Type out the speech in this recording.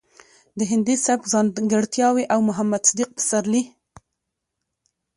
د هندي سبک ځانګړټياوې او د محمد صديق پسرلي